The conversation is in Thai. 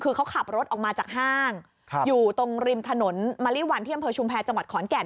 คือเขาขับรถออกมาจากห้างอยู่ตรงริมถนนมะลิวันที่อำเภอชุมแพรจังหวัดขอนแก่น